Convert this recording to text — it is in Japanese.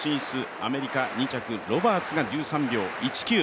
アメリカ２着ロバーツが１３秒１９。